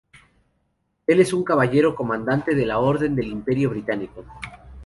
Él es un Caballero Comandante de la Orden del Imperio Británico.